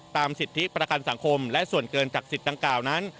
สิทธิประกันสังคมและส่วนเกินจากสิทธิ์ดังกล่าวนั้น